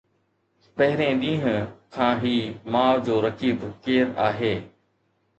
پهرين ڏينهن کان هي ماءُ جو رقيب ڪير آهي؟